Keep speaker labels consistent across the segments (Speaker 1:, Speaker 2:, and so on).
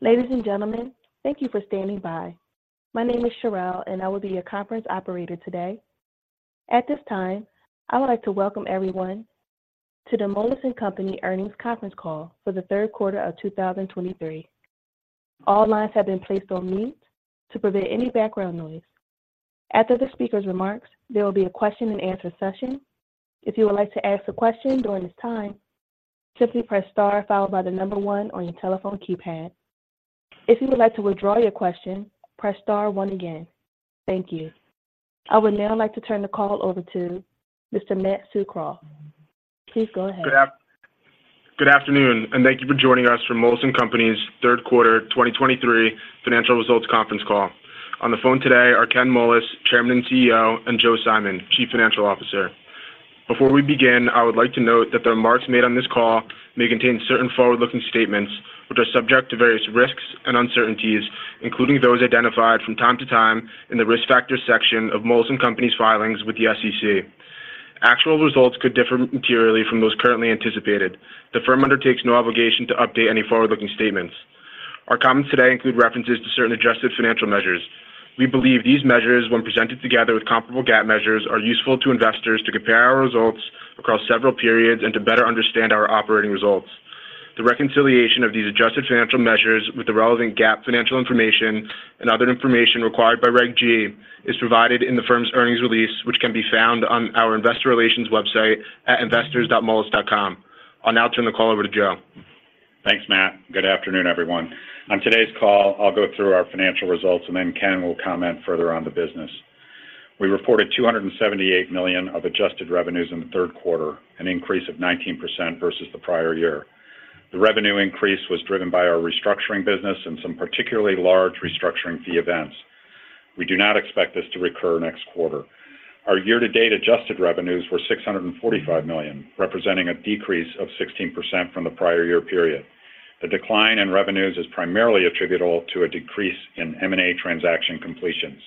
Speaker 1: Ladies and gentlemen, thank you for standing by. My name is Cherrelle, and I will be your conference operator today. At this time, I would like to welcome everyone to the Moelis & Company Earnings Conference Call for the Q3 of 2023. All lines have been placed on mute to prevent any background noise. After the speaker's remarks, there will be a question-and-answer session. If you would like to ask a question during this time, simply press star followed by the number one on your telephone keypad. If you would like to withdraw your question, press star one again. Thank you. I would now like to turn the call over to Mr. Matt Tsukroff. Please go ahead.
Speaker 2: Good afternoon, and thank you for joining us for Moelis & Company's Q3 2023 financial results conference call. On the phone today are Ken Moelis, Chairman and CEO, and Joe Simon, Chief Financial Officer. Before we begin, I would like to note that the remarks made on this call may contain certain forward-looking statements, which are subject to various risks and uncertainties, including those identified from time to time in the Risk Factors section of Moelis & Company's filings with the SEC. Actual results could differ materially from those currently anticipated. The firm undertakes no obligation to update any forward-looking statements. Our comments today include references to certain adjusted financial measures. We believe these measures, when presented together with comparable GAAP measures, are useful to investors to compare our results across several periods and to better understand our operating results. The reconciliation of these adjusted financial measures with the relevant GAAP financial information and other information required by Reg G is provided in the firm's earnings release, which can be found on our investor relations website at investors.moelis.com. I'll now turn the call over to Joe.
Speaker 3: Thanks, Matt. Good afternoon, everyone. On today's call, I'll go through our financial results, and then Ken will comment further on the business. We reported $278 million of adjusted revenues in the Q3, an increase of 19% versus the prior year. The revenue increase was driven by our restructuring business and some particularly large restructuring fee events. We do not expect this to recur next quarter. Our year-to-date adjusted revenues were $645 million, representing a decrease of 16% from the prior year period. The decline in revenues is primarily attributable to a decrease in M&A transaction completions.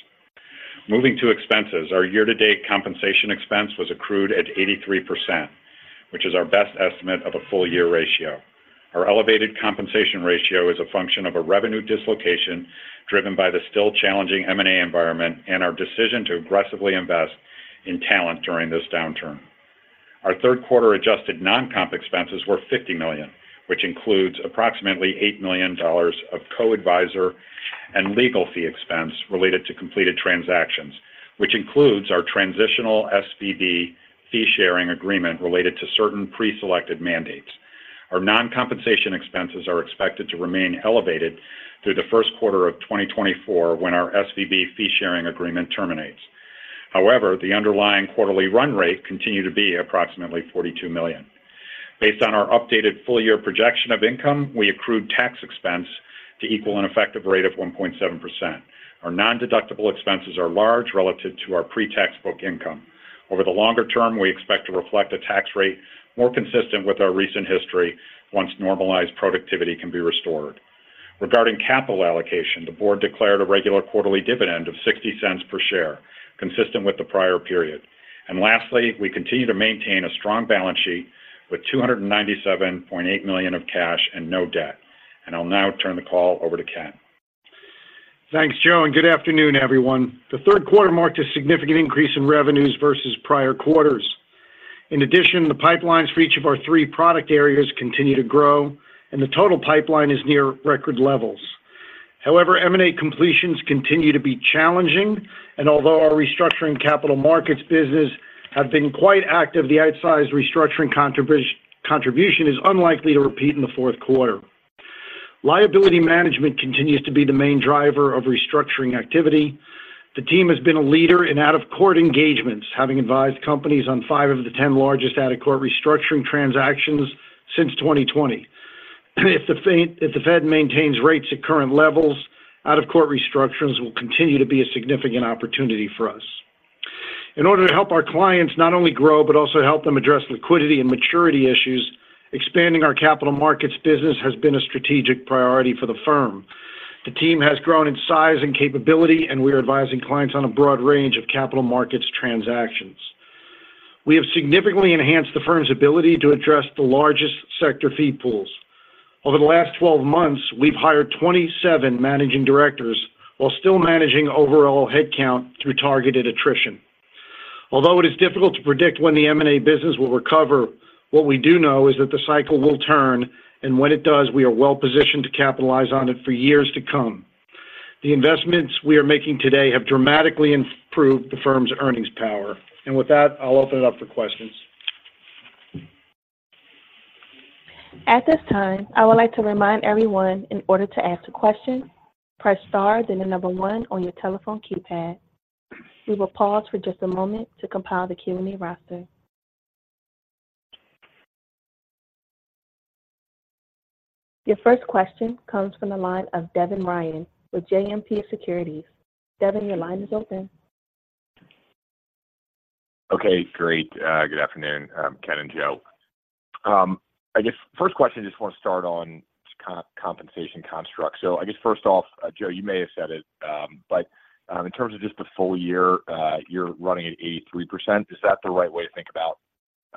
Speaker 3: Moving to expenses, our year-to-date compensation expense was accrued at 83%, which is our best estimate of a full-year ratio. Our elevated compensation ratio is a function of a revenue dislocation driven by the still challenging M&A environment and our decision to aggressively invest in talent during this downturn. Our Q3 adjusted non-comp expenses were $50 million, which includes approximately $8 million of co-advisor and legal fee expense related to completed transactions, which includes our transitional SVB fee-sharing agreement related to certain preselected mandates. Our non-compensation expenses are expected to remain elevated through the Q1 of 2024, when our SVB fee-sharing agreement terminates. However, the underlying quarterly run rate continued to be approximately $42 million. Based on our updated full-year projection of income, we accrued tax expense to equal an effective rate of 1.7%. Our nondeductible expenses are large relative to our pre-tax book income. Over the longer term, we expect to reflect a tax rate more consistent with our recent history once normalized productivity can be restored. Regarding capital allocation, the board declared a regular quarterly dividend of $0.60 per share, consistent with the prior period. And lastly, we continue to maintain a strong balance sheet with $297.8 million of cash and no debt. And I'll now turn the call over to Ken.
Speaker 4: Thanks, Joe, and good afternoon, everyone. The Q3 marked a significant increase in revenues versus prior quarters. In addition, the pipelines for each of our three product areas continue to grow, and the total pipeline is near record levels. However, M&A completions continue to be challenging, and although our restructuring capital markets business have been quite active, the outsized restructuring contribution is unlikely to repeat in the Q4. Liability management continues to be the main driver of restructuring activity. The team has been a leader in out-of-court engagements, having advised companies on five of the 10 largest out-of-court restructuring transactions since 2020. If the Fed maintains rates at current levels, out-of-court restructurings will continue to be a significant opportunity for us. In order to help our clients not only grow, but also help them address liquidity and maturity issues, expanding our capital markets business has been a strategic priority for the firm. The team has grown in size and capability, and we are advising clients on a broad range of capital markets transactions. We have significantly enhanced the firm's ability to address the largest sector fee pools. Over the last 12 months, we've hired 27 managing directors while still managing overall headcount through targeted attrition. Although it is difficult to predict when the M&A business will recover, what we do know is that the cycle will turn, and when it does, we are well positioned to capitalize on it for years to come. The investments we are making today have dramatically improved the firm's earnings power. With that, I'll open it up for questions.
Speaker 1: At this time, I would like to remind everyone in order to ask a question, press star, then the number one on your telephone keypad. We will pause for just a moment to compile the Q&A roster. Your first question comes from the line of Devin Ryan with JMP Securities. Devin, your line is open.
Speaker 5: Okay, great. Good afternoon, Ken and Joe. I guess first question, I just want to start on compensation construct. So I guess first off, Joe, you may have said it, but, in terms of just the full year, you're running at 83%. Is that the right way to think about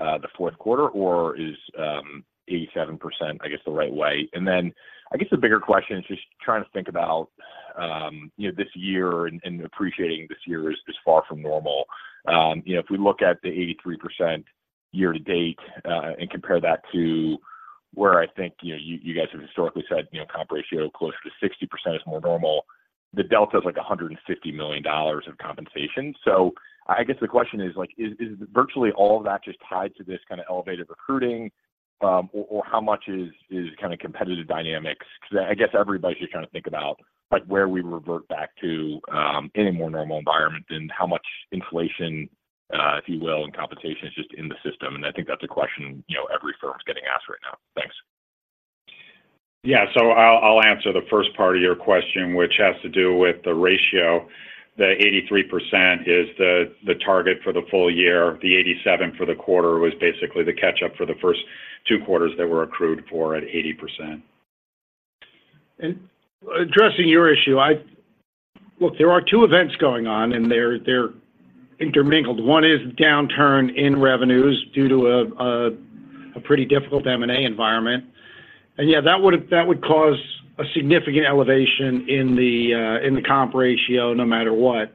Speaker 5: it?... the Q4 or is 87%, I guess, the right way? And then I guess the bigger question is just trying to think about, you know, this year and appreciating this year is far from normal. You know, if we look at the 83% year to date, and compare that to where I think, you know, you guys have historically said, you know, comp ratio closer to 60% is more normal, the delta is like $150 million of compensation. So I guess the question is like, is virtually all of that just tied to this kind of elevated recruiting? Or how much is kind of competitive dynamics? Because I guess everybody should kind of think about, like, where we revert back to, in a more normal environment and how much inflation, if you will, and compensation is just in the system. I think that's a question, you know, every firm is getting asked right now. Thanks.
Speaker 3: Yeah. So I'll, I'll answer the first part of your question, which has to do with the ratio. The 83% is the, the target for the full year. The 87% for the quarter was basically the catch-up for the first two quarters that were accrued for at 80%.
Speaker 4: And addressing your issue, I-- look, there are two events going on, and they're, they're intermingled. One is downturn in revenues due to a, a pretty difficult M&A environment. And yeah, that would, that would cause a significant elevation in the, in the comp ratio no matter what.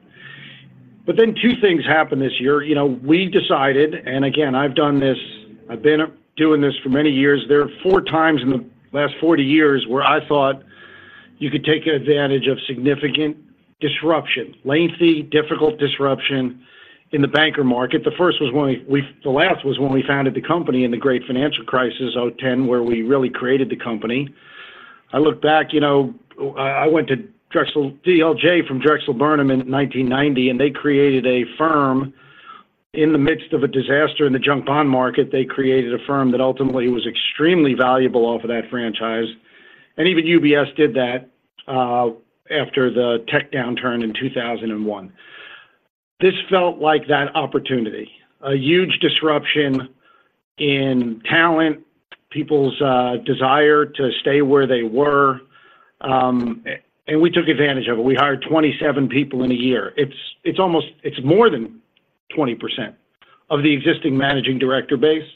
Speaker 4: But then two things happened this year. You know, we decided, and again, I've done this... I've been doing this for many years. There are four times in the last 40 years where I thought you could take advantage of significant disruption, lengthy, difficult disruption in the banker market. The first was when we, the last was when we founded the company in the great financial crisis, 2010, where we really created the company. I look back, you know, I went to Drexel, DLJ from Drexel Burnham in 1990, and they created a firm in the midst of a disaster in the junk bond market. They created a firm that ultimately was extremely valuable off of that franchise, and even UBS did that after the tech downturn in 2001. This felt like that opportunity, a huge disruption in talent, people's desire to stay where they were, and we took advantage of it. We hired 27 people in a year. It's, it's almost. It's more than 20% of the existing managing director base.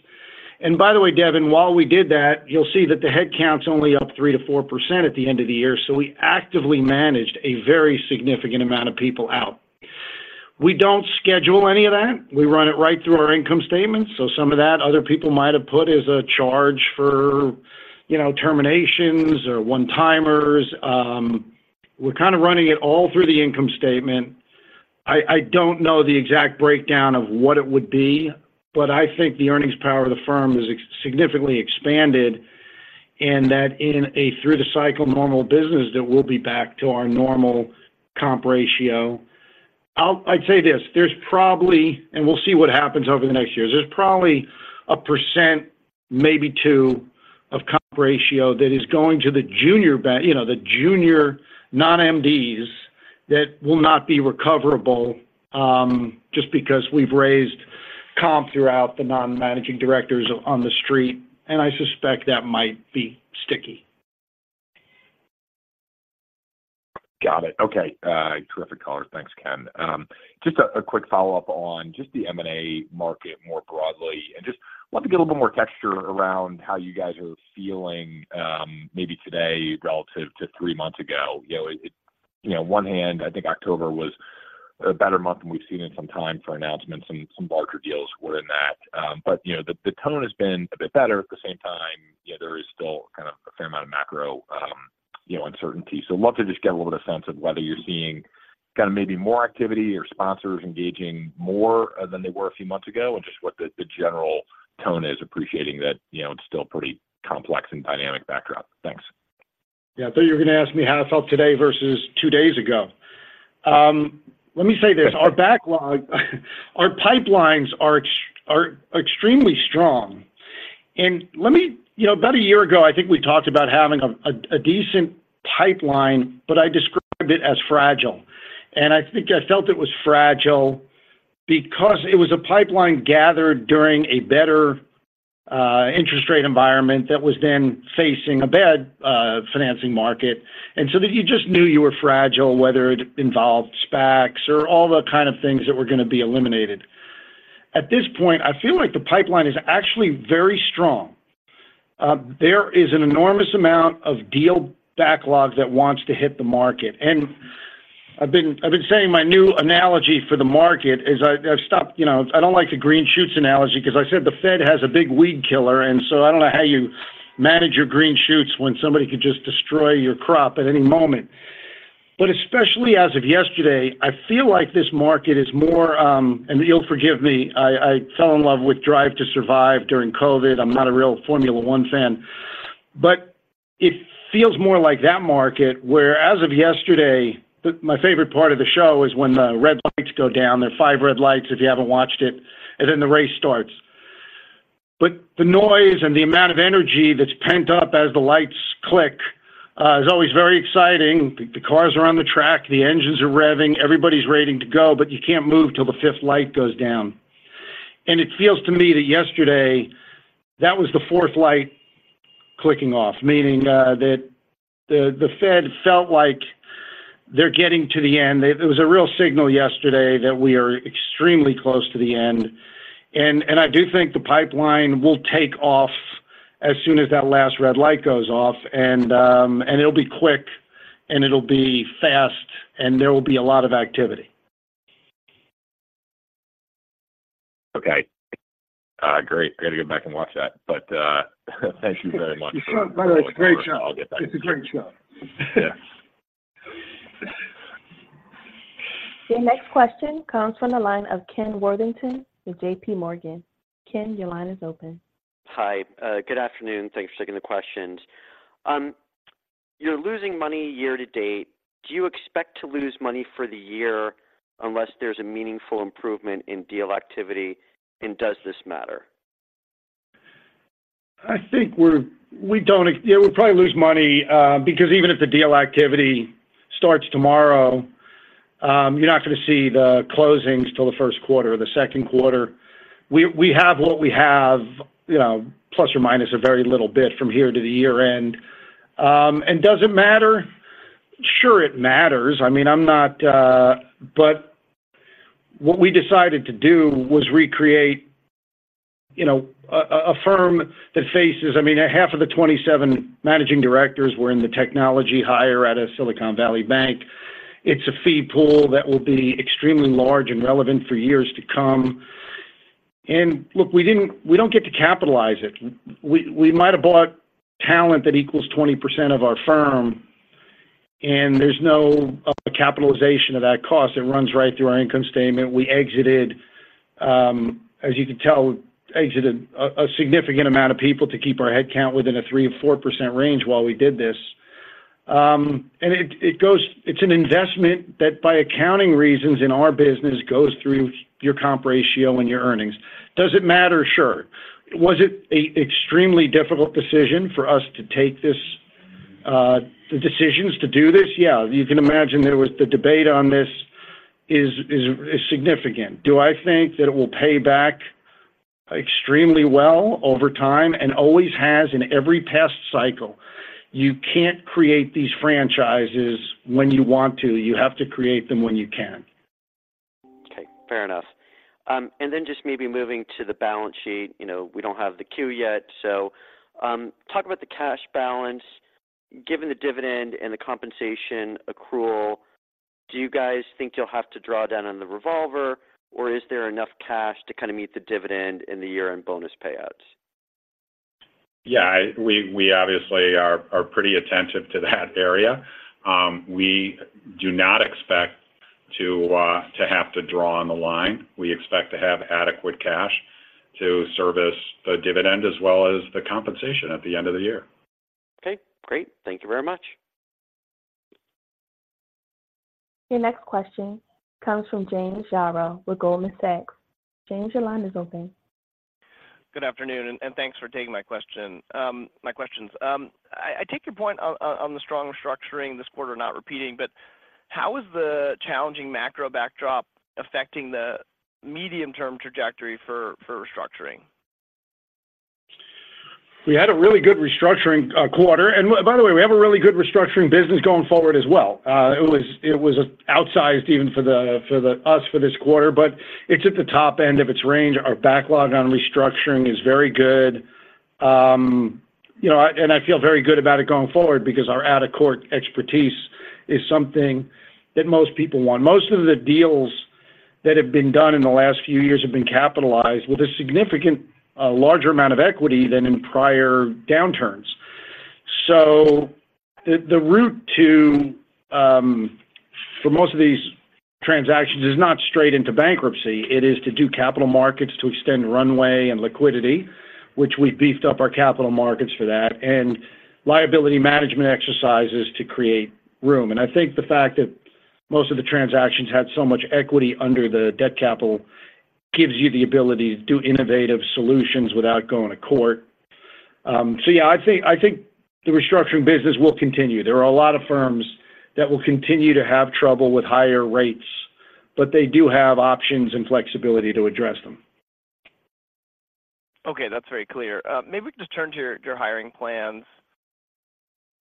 Speaker 4: By the way, Devin, while we did that, you'll see that the headcount's only up 3%-4% at the end of the year, so we actively managed a very significant amount of people out. We don't schedule any of that. We run it right through our income statement. So some of that other people might have put as a charge for, you know, terminations or one-timers. We're kind of running it all through the income statement. I don't know the exact breakdown of what it would be, but I think the earnings power of the firm is significantly expanded, and that in a through-the-cycle normal business that we'll be back to our normal comp ratio. I'd say this, there's probably, and we'll see what happens over the next years. There's probably 1%, maybe 2%, of comp ratio that is going to the junior, you know, the junior non-MDs, that will not be recoverable, just because we've raised comp throughout the non-managing directors on the street, and I suspect that might be sticky.
Speaker 5: Got it. Okay, terrific color. Thanks, Ken. Just a quick follow-up on just the M&A market more broadly, and just love to get a little more texture around how you guys are feeling, maybe today relative to three months ago. You know, you know, one hand, I think October was a better month than we've seen in some time for announcements, and some larger deals were in that. But, you know, the tone has been a bit better. At the same time, you know, there is still kind of a fair amount of macro, you know, uncertainty. So love to just get a little sense of whether you're seeing kind of maybe more activity or sponsors engaging more than they were a few months ago, and just what the general tone is, appreciating that, you know, it's still pretty complex and dynamic backdrop. Thanks.
Speaker 4: Yeah. I thought you were going to ask me how I felt today versus two days ago. Let me say this: our backlog, our pipelines are extremely strong. You know, about a year ago, I think we talked about having a decent pipeline, but I described it as fragile. And I think I felt it was fragile because it was a pipeline gathered during a better interest rate environment that was then facing a bad financing market. And so that you just knew you were fragile, whether it involved SPACs or all the kind of things that were going to be eliminated. At this point, I feel like the pipeline is actually very strong. There is an enormous amount of deal backlog that wants to hit the market, and I've been saying my new analogy for the market is, I've stopped. You know, I don't like the green shoots analogy 'cause I said the Fed has a big weed killer, and so I don't know how you manage your green shoots when somebody could just destroy your crop at any moment. But especially as of yesterday, I feel like this market is more. And you'll forgive me, I fell in love with Drive to Survive during COVID. I'm not a real Formula One fan, but it feels more like that market, where as of yesterday, the my favorite part of the show is when the red lights go down. There are five red lights if you haven't watched it, and then the race starts. But the noise and the amount of energy that's pent up as the lights click is always very exciting. The cars are on the track, the engines are revving, everybody's ready to go, but you can't move till the fifth light goes down. And it feels to me that yesterday, that was the fourth light clicking off, meaning that the Fed felt like they're getting to the end. It was a real signal yesterday that we are extremely close to the end. And I do think the pipeline will take off as soon as that last red light goes off, and it'll be quick, and it'll be fast, and there will be a lot of activity.
Speaker 5: Okay. Great. I've got to go back and watch that, but, thank you very much.
Speaker 4: By the way, it's a great show.
Speaker 5: I'll get back.
Speaker 4: It's a great show.
Speaker 1: Your next question comes from the line of Ken Worthington with JP Morgan. Ken, your line is open.
Speaker 6: Hi, good afternoon. Thanks for taking the questions. You're losing money year to date. Do you expect to lose money for the year unless there's a meaningful improvement in deal activity? And does this matter?
Speaker 4: I think we don't. Yeah, we'll probably lose money because even if the deal activity starts tomorrow, you're not going to see the closings till the Q1 or the Q2. We have what we have, you know, plus or minus a very little bit from here to the year-end. And does it matter? Sure, it matters. I mean, I'm not. But what we decided to do was recreate, you know, a firm that faces. I mean, 1/2 of the 27 managing directors were in the technology hire out of Silicon Valley Bank. It's a fee pool that will be extremely large and relevant for years to come. And look, we don't get to capitalize it. We might have bought talent that equals 20% of our firm, and there's no capitalization of that cost. It runs right through our income statement. We exited, as you can tell, a significant amount of people to keep our headcount within a 3%-4% range while we did this. It goes. It's an investment that, by accounting reasons in our business, goes through your comp ratio and your earnings. Does it matter? Sure. Was it a extremely difficult decision for us to take this, the decisions to do this? Yeah. You can imagine that it was. The debate on this is significant. Do I think that it will pay back extremely well over time and always has in every past cycle? You can't create these franchises when you want to. You have to create them when you can.
Speaker 6: Okay, fair enough. And then just maybe moving to the balance sheet, you know, we don't have the queue yet, so, talk about the cash balance. Given the dividend and the compensation accrual, do you guys think you'll have to draw down on the revolver, or is there enough cash to meet the dividend and the year-end bonus payouts?
Speaker 3: Yeah, we obviously are pretty attentive to that area. We do not expect to have to draw on the line. We expect to have adequate cash to service the dividend as well as the compensation at the end of the year.
Speaker 6: Okay, great. Thank you very much.
Speaker 1: Your next question comes from James Yaro with Goldman Sachs. James, your line is open.
Speaker 7: Good afternoon, and thanks for taking my question, my questions. I take your point on the strong restructuring this quarter, not repeating, but how is the challenging macro backdrop affecting the medium-term trajectory for restructuring?
Speaker 4: We had a really good restructuring quarter. By the way, we have a really good restructuring business going forward as well. It was outsized even for us for this quarter, but it's at the top end of its range. Our backlog on restructuring is very good. You know, I feel very good about it going forward because our out-of-court expertise is something that most people want. Most of the deals that have been done in the last few years have been capitalized with a significant larger amount of equity than in prior downturns. So the route to for most of these transactions is not straight into bankruptcy. It is to do capital markets, to extend runway and liquidity, which we've beefed up our capital markets for that, and liability management exercises to create room. I think the fact that most of the transactions had so much equity under the debt capital gives you the ability to do innovative solutions without going to court. So yeah, I think the restructuring business will continue. There are a lot of firms that will continue to have trouble with higher rates, but they do have options and flexibility to address them.
Speaker 7: Okay, that's very clear. Maybe we can just turn to your hiring plans.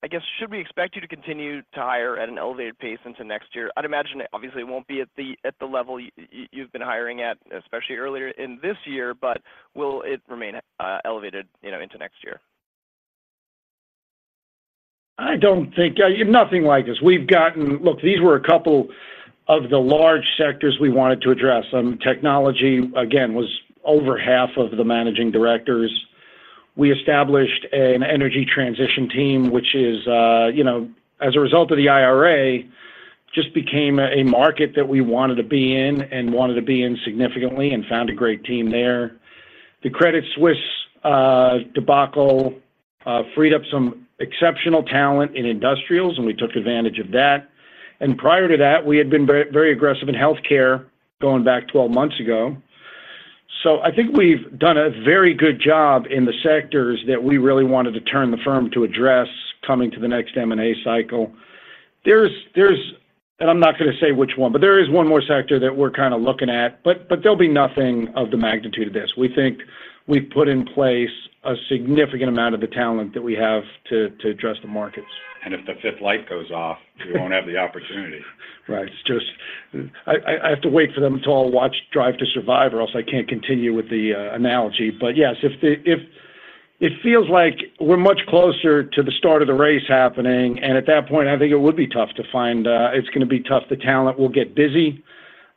Speaker 7: I guess, should we expect you to continue to hire at an elevated pace into next year? I'd imagine it obviously won't be at the level you've been hiring at, especially earlier in this year, but will it remain elevated, you know, into next year?
Speaker 4: I don't think nothing like this. We've gotten... Look, these were a couple of the large sectors we wanted to address. Technology, again, was over 1/2 of the managing directors. We established an energy transition team, which is, you know, as a result of the IRA, just became a market that we wanted to be in and wanted to be in significantly and found a great team there. The Credit Suisse debacle freed up some exceptional talent in industrials, and we took advantage of that. And prior to that, we had been very, very aggressive in healthcare going back 12 months ago. So I think we've done a very good job in the sectors that we really wanted to turn the firm to address, coming to the next M&A cycle.... There's and I'm not going to say which one, but there is one more sector that we're kind of looking at. But there'll be nothing of the magnitude of this. We think we've put in place a significant amount of the talent that we have to address the markets.
Speaker 3: If the fifth light goes off, we won't have the opportunity.
Speaker 4: Right. It's just, I have to wait for them to all watch Drive to Survive, or else I can't continue with the analogy. But yes, if it feels like we're much closer to the start of the race happening, and at that point, I think it would be tough to find... It's going to be tough. The talent will get busy,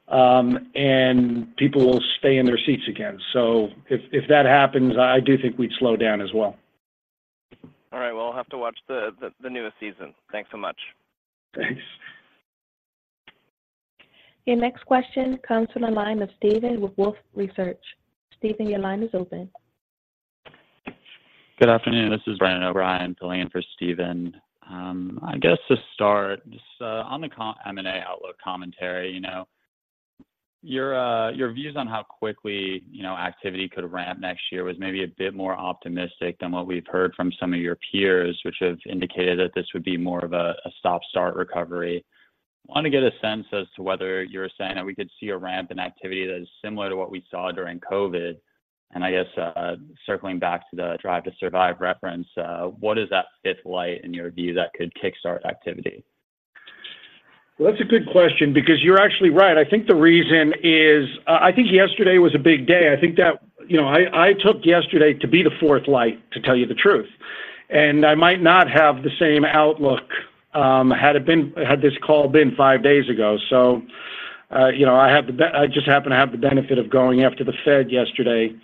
Speaker 4: and people will stay in their seats again. So if that happens, I do think we'd slow down as well.
Speaker 7: All right, well, I'll have to watch the newest season. Thanks so much.
Speaker 4: Thanks.
Speaker 1: Your next question comes from the line of Steven with Wolfe Research. Steven, your line is open.
Speaker 8: Good afternoon, this is Brendan O'Brien filling in for Steven. I guess to start, just on the M&A outlook commentary, you know, your views on how quickly, you know, activity could ramp next year was maybe a bit more optimistic than what we've heard from some of your peers, which have indicated that this would be more of a stop-start recovery. I want to get a sense as to whether you're saying that we could see a ramp in activity that is similar to what we saw during COVID, and I guess, circling back to the Drive to Survive reference, what is that fifth light in your view that could kickstart activity?
Speaker 4: Well, that's a good question because you're actually right. I think the reason is... I think yesterday was a big day. I think that, you know, I took yesterday to be the fourth light, to tell you the truth. And I might not have the same outlook had this call been five days ago. So, you know, I just happen to have the benefit of going after the Fed yesterday.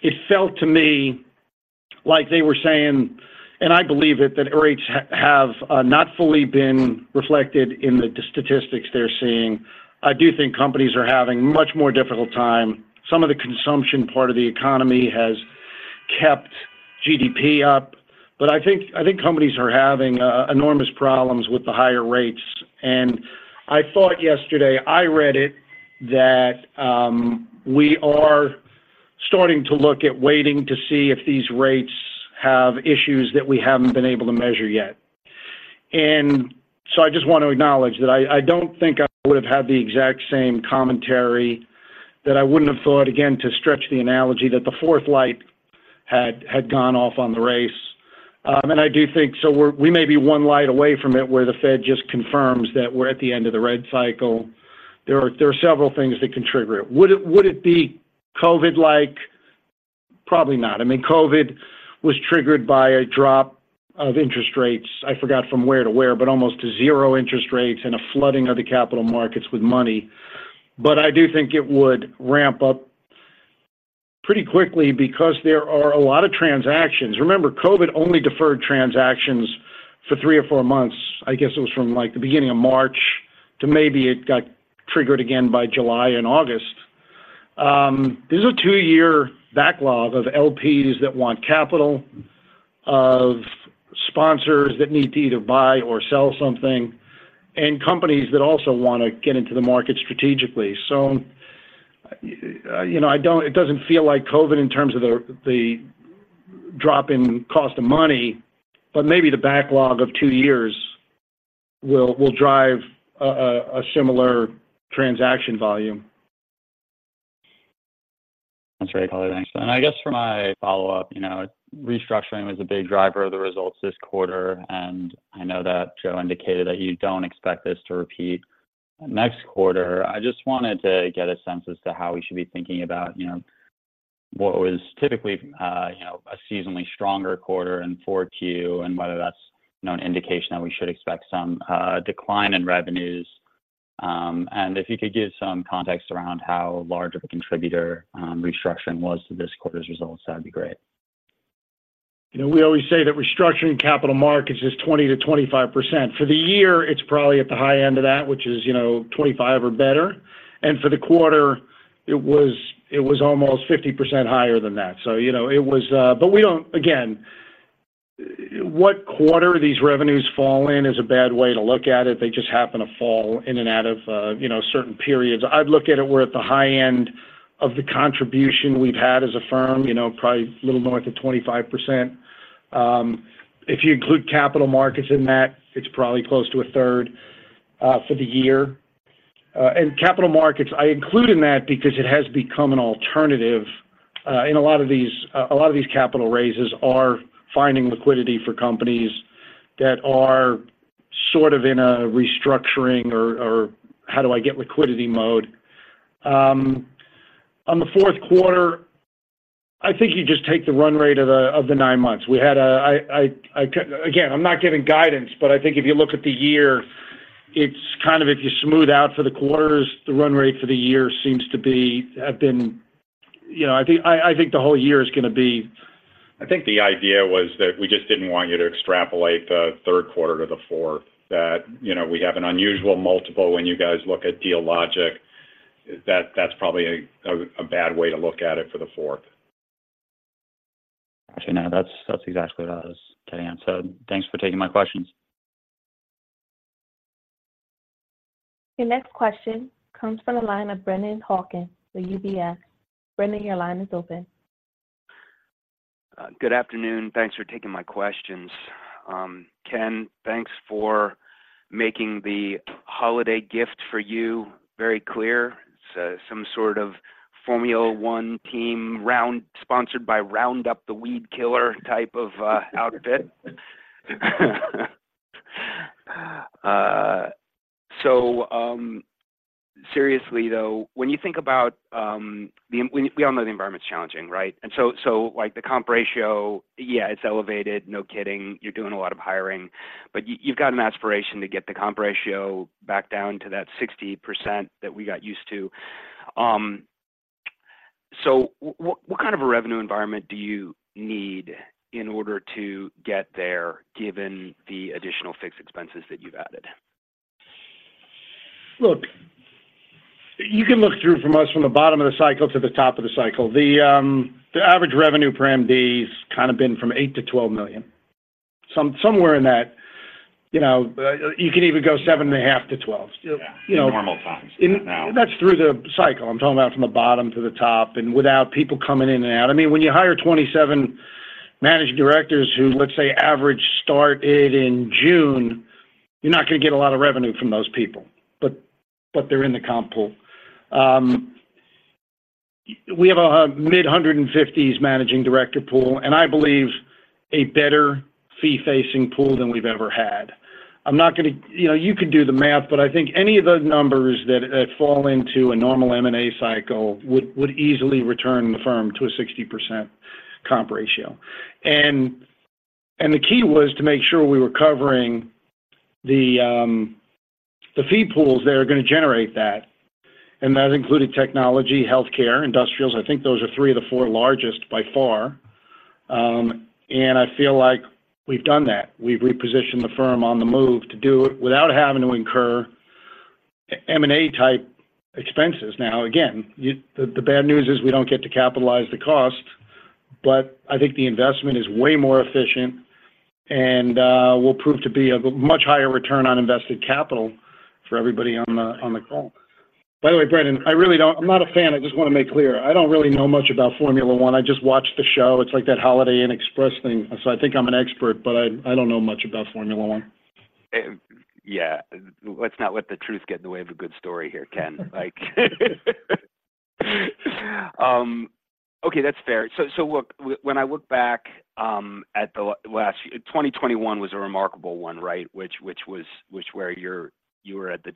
Speaker 4: It felt to me like they were saying, and I believe it, that rates have not fully been reflected in the statistics they're seeing. I do think companies are having much more difficult time. Some of the consumption part of the economy has kept GDP up, but I think companies are having enormous problems with the higher rates. I thought yesterday I read it that we are starting to look at waiting to see if these rates have issues that we haven't been able to measure yet. So I just want to acknowledge that I don't think I would have had the exact same commentary that I wouldn't have thought, again, to stretch the analogy, that the fourth light had gone off on the race. I do think so we may be one light away from it, where the Fed just confirms that we're at the end of the red cycle. There are several things that can trigger it. Would it be COVID-like? Probably not. I mean, COVID was triggered by a drop of interest rates, I forgot from where to where, but almost to zero interest rates and a flooding of the capital markets with money. But I do think it would ramp up pretty quickly because there are a lot of transactions. Remember, COVID only deferred transactions for three or four months. I guess it was from, like, the beginning of March to maybe it got triggered again by July and August. There's a two-year backlog of LPs that want capital, of sponsors that need to either buy or sell something, and companies that also want to get into the market strategically. So, you know, I don't. It doesn't feel like COVID in terms of the drop in cost of money, but maybe the backlog of two years will drive a similar transaction volume.
Speaker 8: That's very clear. Thanks. And I guess for my follow-up, you know, restructuring was a big driver of the results this quarter, and I know that Joe indicated that you don't expect this to repeat next quarter. I just wanted to get a sense as to how we should be thinking about, you know, what was typically, you know, a seasonally stronger quarter in Q4, and whether that's, you know, an indication that we should expect some decline in revenues. And if you could give some context around how large of a contributor restructuring was to this quarter's results, that'd be great.
Speaker 4: You know, we always say that restructuring capital markets is 20-25%. For the year, it's probably at the high end of that, which is, you know, 25% or better. And for the quarter, it was almost 50% higher than that. So, you know, it was. But we don't, again, what quarter these revenues fall in is a bad way to look at it. They just happen to fall in and out of, you know, certain periods. I'd look at it, we're at the high end of the contribution we've had as a firm, you know, probably a little north of 25%. If you include capital markets in that, it's probably close to a 1/3, for the year. And capital markets, I include in that because it has become an alternative. In a lot of these capital raises are finding liquidity for companies that are sort of in a restructuring or how do I get liquidity mode. On the Q4, I think you just take the run rate of the nine months. Again, I'm not giving guidance, but I think if you look at the year, it's kind of if you smooth out for the quarters, the run rate for the year seems to be, have been. You know, I think the whole year is going to be-
Speaker 3: I think the idea was that we just didn't want you to extrapolate the Q3 to the fourth. That, you know, we have an unusual multiple when you guys look at Dealogic, that, that's probably a bad way to look at it for the fourth.
Speaker 8: Actually, no, that's, that's exactly what I was getting at. So thanks for taking my questions.
Speaker 1: Your next question comes from the line of Brennan Hawken with UBS. Brennan, your line is open.
Speaker 9: Ah, good afternoon. Thanks for taking my questions. Ken, thanks for making the holiday gift for you very clear. So some sort of Formula One team round, sponsored by Roundup, the weed killer, type of, outfit. So, seriously though, when you think about, the we, we all know the environment's challenging, right? And so, so like the comp ratio, yeah, it's elevated. No kidding, you're doing a lot of hiring. But you've got an aspiration to get the comp ratio back down to that 60% that we got used to. So what, what kind of a revenue environment do you need in order to get there, given the additional fixed expenses that you've added?
Speaker 4: Look, you can look through from us from the bottom of the cycle to the top of the cycle. The average revenue per MD's kind of been from $8 million-$12 million. Somewhere in that, you know, you can even go $7.5 million-$12 million.
Speaker 3: Yeah.
Speaker 4: You know-
Speaker 3: In normal times, now-
Speaker 4: That's through the cycle. I'm talking about from the bottom to the top, and without people coming in and out. I mean, when you hire 27 managing directors who, let's say, average started in June, you're not going to get a lot of revenue from those people. But they're in the comp pool. We have a mid-150s managing director pool, and I believe a better fee-facing pool than we've ever had. I'm not going to... You know, you can do the math, but I think any of the numbers that fall into a normal M&A cycle would easily return the firm to a 60% comp ratio. And the key was to make sure we were covering the fee pools that are going to generate that, and that included technology, healthcare, industrials. I think those are three of the four largest by far. I feel like we've done that. We've repositioned the firm on the move to do it without having to incur M&A type expenses. Now, again, the bad news is we don't get to capitalize the cost, but I think the investment is way more efficient and will prove to be a much higher return on invested capital for everybody on the call. By the way, Brennan, I really don't. I'm not a fan. I just want to make clear, I don't really know much about Formula One. I just watched the show. It's like that Holiday Inn Express thing, so I think I'm an expert, but I don't know much about Formula One.
Speaker 9: Yeah. Let's not let the truth get in the way of a good story here, Ken. Like, okay, that's fair. So look, when I look back at the last... 2021 was a remarkable one, right? Which was where you were at the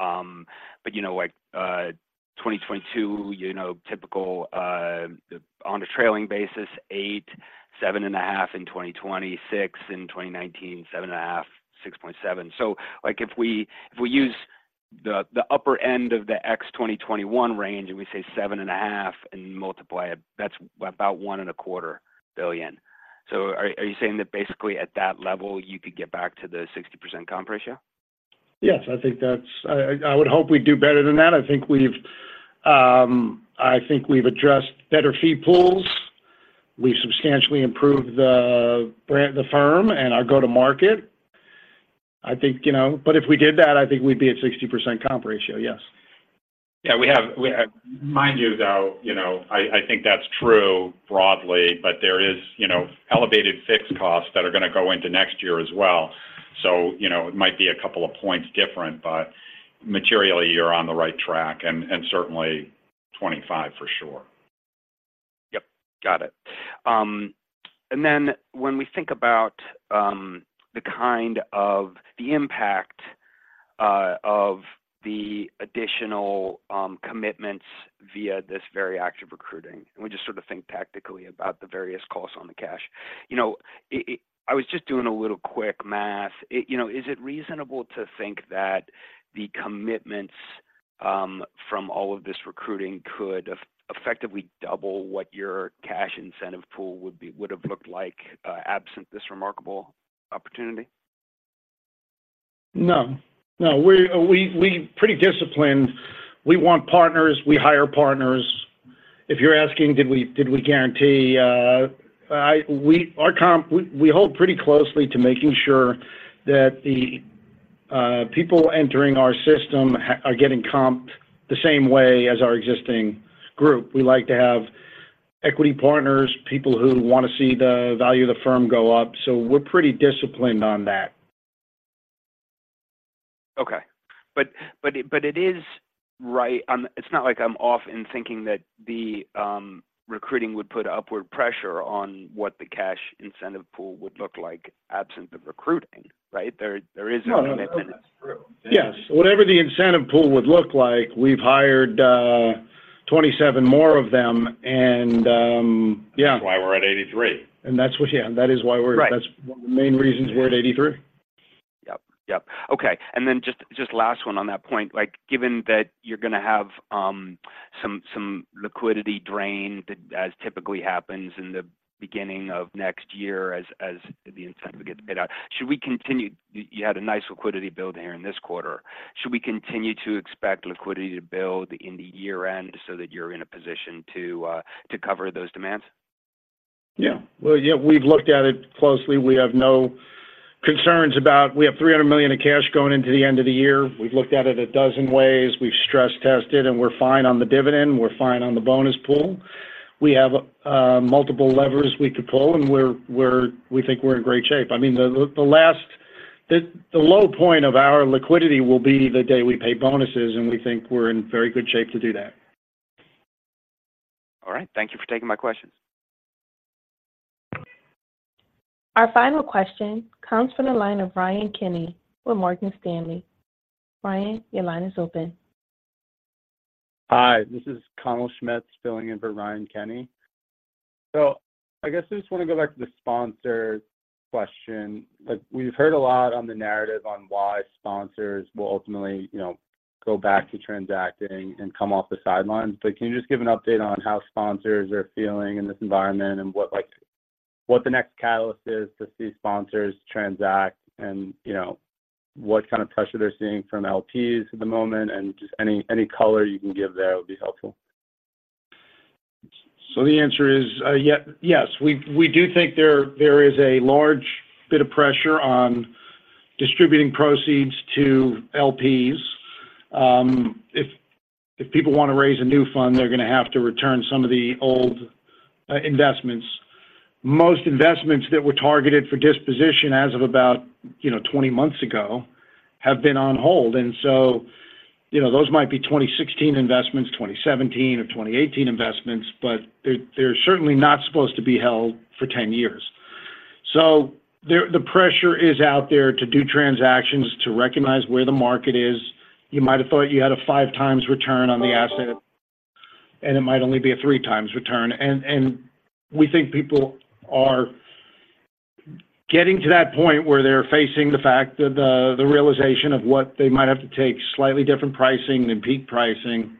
Speaker 9: 12.5. But you know, like, 2022, you know, typical, on a trailing basis, eight, seven and a half in 2020, six in 2019, seven and a half, 6.7. So, like, if we use the upper end of the ex-2021 range, and we say seven and a half and multiply it, that's about $1.25 billion. So are you saying that basically at that level, you could get back to the 60% comp ratio?
Speaker 4: Yes, I think that's. I would hope we'd do better than that. I think we've addressed better fee pools. We've substantially improved the brand, the firm, and our go-to-market. I think, you know. But if we did that, I think we'd be at 60% comp ratio. Yes.
Speaker 3: Yeah, we have, mind you, though, you know, I think that's true broadly, but there is, you know, elevated fixed costs that are going to go into next year as well. So, you know, it might be a couple of points different, but materially, you're on the right track, and certainly 25 for sure.
Speaker 9: Yep, got it. And then when we think about the kind of the impact of the additional commitments via this very active recruiting, and we just sort of think tactically about the various costs on the cash. You know, I was just doing a little quick math. It, you know, is it reasonable to think that the commitments from all of this recruiting could effectively double what your cash incentive pool would have looked like absent this remarkable opportunity?
Speaker 4: No. No, we're pretty disciplined. We want partners, we hire partners. If you're asking, did we guarantee our comp, we hold pretty closely to making sure that the people entering our system are getting comped the same way as our existing group. We like to have equity partners, people who want to see the value of the firm go up. So we're pretty disciplined on that.
Speaker 9: Okay. But, but, but it is right. It's not like I'm off in thinking that the recruiting would put upward pressure on what the cash incentive pool would look like, absent the recruiting, right? There, there is no commitment.
Speaker 3: No, no, that's true.
Speaker 4: Yes. Whatever the incentive pool would look like, we've hired 27 more of them, and yeah.
Speaker 3: That's why we're at 83.
Speaker 4: That's what-- Yeah, that is why we're-
Speaker 9: Right.
Speaker 4: That's one of the main reasons we're at 83.
Speaker 9: Yep, yep. Okay, and then just, just last one on that point. Like, given that you're going to have some liquidity drain, as typically happens in the beginning of next year, as the incentive gets paid out, should we continue. You had a nice liquidity build here in this quarter. Should we continue to expect liquidity to build in the year-end so that you're in a position to cover those demands?
Speaker 4: Yeah. Well, yeah, we've looked at it closely. We have no concerns about we have $300 million in cash going into the end of the year. We've looked at it a dozen ways, we've stress-tested, and we're fine on the dividend, we're fine on the bonus pool. We have multiple levers we could pull, and we think we're in great shape. I mean, the low point of our liquidity will be the day we pay bonuses, and we think we're in very good shape to do that.
Speaker 3: All right. Thank you for taking my questions.
Speaker 1: Our final question comes from the line of Ryan Kenny with Morgan Stanley. Ryan, your line is open.
Speaker 10: Hi, this is Connell Schmitz filling in for Ryan Kenny. So I guess I just wanna go back to the sponsor question. Like, we've heard a lot on the narrative on why sponsors will ultimately, you know, go back to transacting and come off the sidelines. But can you just give an update on how sponsors are feeling in this environment and what like, what the next catalyst is to see sponsors transact and, you know, what kind of pressure they're seeing from LPs at the moment, and just any, any color you can give there would be helpful.
Speaker 4: So the answer is, yeah, yes, we do think there is a large bit of pressure on distributing proceeds to LPs. If people wanna raise a new fund, they're gonna have to return some of the old investments. Most investments that were targeted for disposition as of about, you know, 20 months ago, have been on hold. And so, you know, those might be 2016 investments, 2017 or 2018 investments, but they're certainly not supposed to be held for 10 years. So the pressure is out there to do transactions, to recognize where the market is. You might have thought you had a 5x return on the asset, and it might only be a 3x return. We think people are getting to that point where they're facing the fact that the realization of what they might have to take slightly different pricing than peak pricing.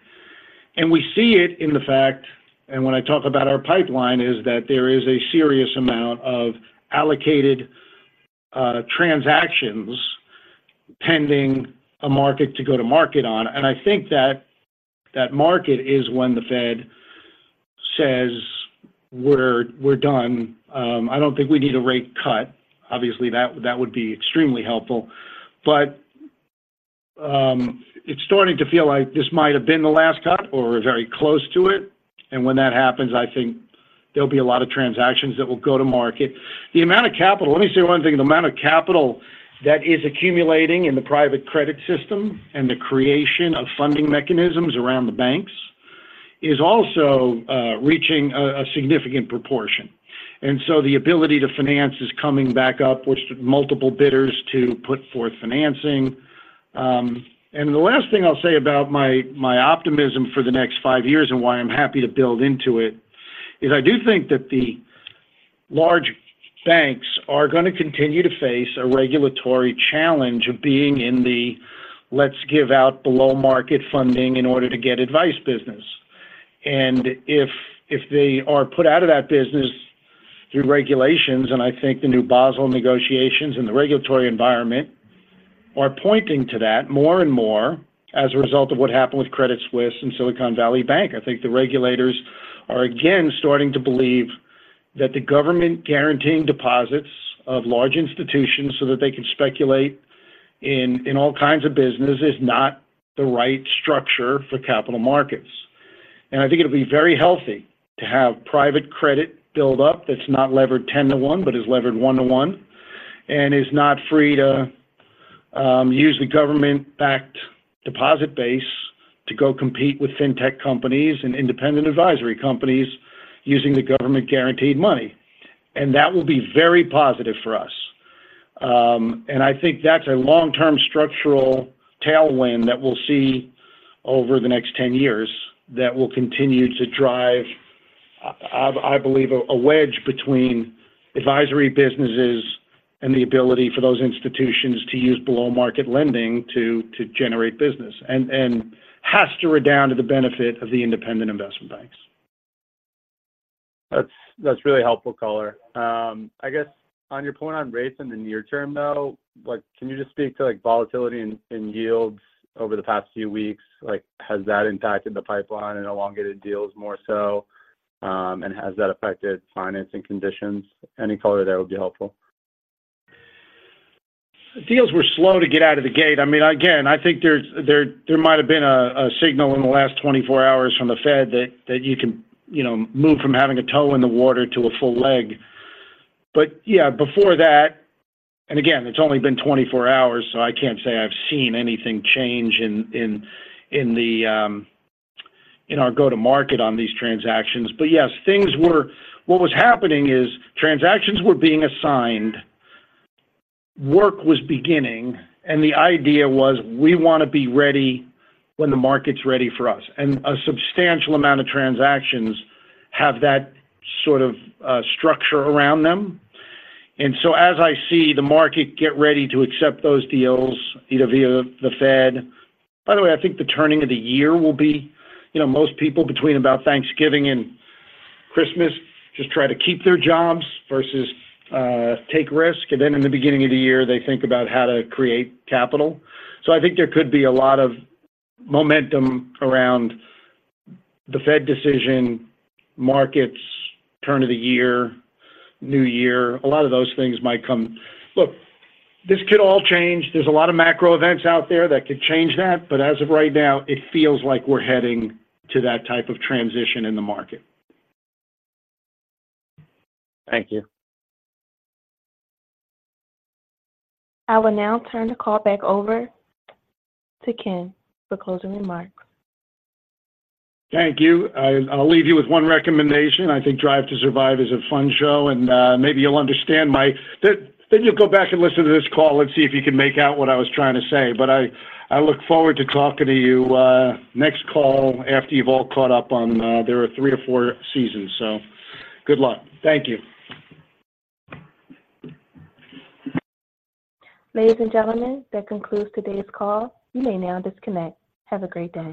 Speaker 4: And we see it in the fact, and when I talk about our pipeline, is that there is a serious amount of allocated transactions pending a market to go to market on. And I think that market is when the Fed says, we're done. I don't think we need a rate cut. Obviously, that would be extremely helpful, but, it's starting to feel like this might have been the last cut or very close to it, and when that happens, I think there'll be a lot of transactions that will go to market. The amount of capital... Let me say one thing, the amount of capital that is accumulating in the private credit system and the creation of funding mechanisms around the banks is also reaching a significant proportion. And so the ability to finance is coming back up, which multiple bidders to put forth financing. And the last thing I'll say about my optimism for the next five years and why I'm happy to build into it is I do think that the large banks are gonna continue to face a regulatory challenge of being in the "Let's give out below-market funding in order to get advice business." And if they are put out of that business through regulations, and I think the new Basel negotiations and the regulatory environment are pointing to that more and more as a result of what happened with Credit Suisse and Silicon Valley Bank. I think the regulators are again starting to believe that the government guaranteeing deposits of large institutions so that they can speculate in all kinds of business is not the right structure for capital markets. I think it'll be very healthy to have private credit build up that's not levered 10-to-1, but is levered 1-to-1, and is not free to use the government-backed deposit base to go compete with fintech companies and independent advisory companies using the government-guaranteed money. That will be very positive for us. I think that's a long-term structural tailwind that we'll see over the next 10 years that will continue to drive, I believe, a wedge between advisory businesses and the ability for those institutions to use below-market lending to generate business, and has to redound to the benefit of the independent investment banks.
Speaker 10: That's really helpful color. I guess on your point on rates in the near term, though, like, can you just speak to like volatility in yields over the past few weeks? Like, has that impacted the pipeline and elongated deals more so? And has that affected financing conditions? Any color there would be helpful.
Speaker 4: Deals were slow to get out of the gate. I mean, again, I think there might have been a signal in the last 24 hours from the Fed that you can, you know, move from having a toe in the water to a full leg. But yeah, before that, and again, it's only been 24 hours, so I can't say I've seen anything change in our go-to-market on these transactions. But yes, things were. What was happening is transactions were being assigned, work was beginning, and the idea was we wanna be ready when the market's ready for us. And a substantial amount of transactions have that sort of structure around them. And so as I see the market get ready to accept those deals, either via the Fed... By the way, I think the turning of the year will be, you know, most people between about Thanksgiving and Christmas just try to keep their jobs versus take risk. And then in the beginning of the year, they think about how to create capital. So I think there could be a lot of momentum around the Fed decision, markets, turn of the year, new year. A lot of those things might come. Look, this could all change. There's a lot of macro events out there that could change that, but as of right now, it feels like we're heading to that type of transition in the market.
Speaker 10: Thank you.
Speaker 1: I will now turn the call back over to Ken for closing remarks.
Speaker 4: Thank you. I'll leave you with one recommendation. I think Drive to Survive is a fun show, and maybe you'll understand my... Then you'll go back and listen to this call and see if you can make out what I was trying to say. But I look forward to talking to you, next call after you've all caught up on, there are three to four seasons. So good luck. Thank you.
Speaker 1: Ladies and gentlemen, that concludes today's call. You may now disconnect. Have a great day.